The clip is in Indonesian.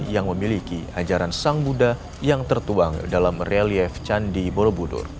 yang memiliki ajaran sang buddha yang tertuang dalam relief candi borobudur